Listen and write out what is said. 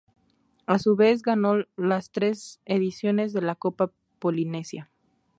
A su vez, ganó las tres ediciones de la Copa Polinesia.